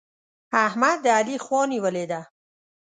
احمد د علي خوا نيولې ده.